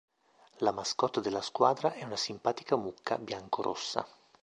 La mascotte della squadra è una simpatica mucca bianco-rossa.